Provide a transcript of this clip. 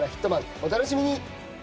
お楽しみに！